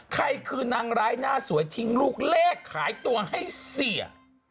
ใครคือนางร้ายหน้าสวยทิ้งลูกเลขขายตัวให้เสีย